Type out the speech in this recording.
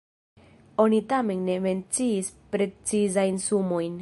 Oni tamen ne menciis precizajn sumojn.